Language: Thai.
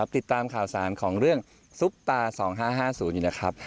ติดตามข่าวสารของเรื่องซุปตา๒๕๕๐อยู่นะครับ